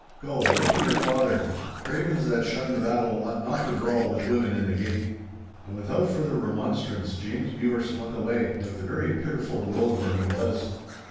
Go, look to your father; cravens that shun the battle ought not to brawl with women in the gate!' And without further remonstrance James Mure slunk away, like the very pitiful rogue that he was.